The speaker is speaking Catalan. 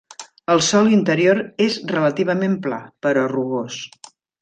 El sòl interior és relativament pla, però rugós.